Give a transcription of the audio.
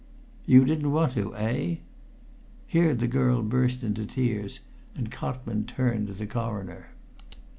"You didn't want to, eh?" Here the girl burst into tears, and Cotman turned to the Coroner.